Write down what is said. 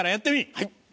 はい！